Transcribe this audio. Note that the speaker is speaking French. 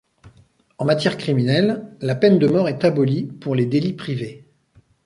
En matière criminelle, la peine de mort est abolie pour les délits privés.